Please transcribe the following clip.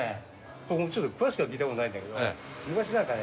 僕もちょっと詳しくは聞いた事ないんだけど昔なんかね